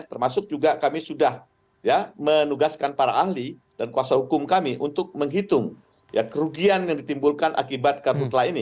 termasuk juga kami sudah menugaskan para ahli dan kuasa hukum kami untuk menghitung kerugian yang ditimbulkan akibat kartu telah ini